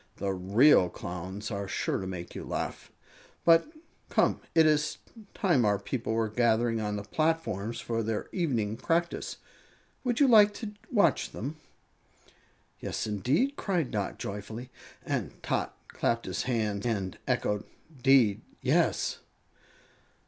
The real Clowns are sure to make you laugh. But come, it is time our people were gathering on the platforms for their evening practice. Would you like to watch them?" "Yes, indeed!" cried Dot, joyfully; and Tot clapped his hands and echoed: "'Deed, yes!"